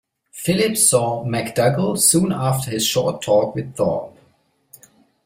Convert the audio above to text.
Philip saw MacDougall soon after his short talk with Thorpe.